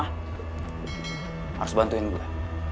harus bantuin gue